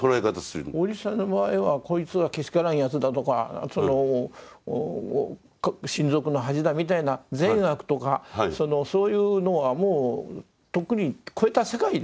おじさんの場合はこいつはけしからんやつだとか親族の恥だみたいな善悪とかそういうのはもうとっくに超えた世界にいらっしゃるということですね。